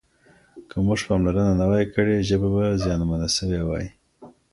که موږ پاملرنه نه وای کړې ژبه به زیانمنه سوې وای.